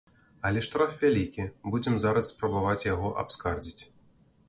Але штраф вялікі, будзем зараз спрабаваць яго абскардзіць.